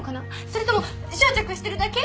それとも執着してるだけ？